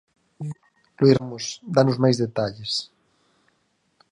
Luís Ramos, danos máis detalles.